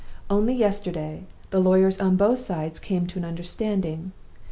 Only yesterday, the lawyers on both sides came to an understanding.